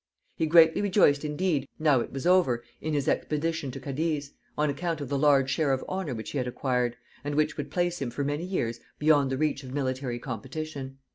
He greatly rejoiced indeed, now it was over, in his expedition to Cadiz, on account of the large share of honor which he had acquired, and which would place him for many years beyond the reach of military competition.